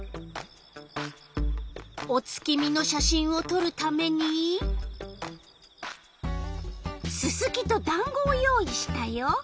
お月見の写真をとるためにススキとだんごを用意したよ。